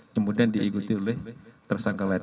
kemudian diikuti oleh tersangka lain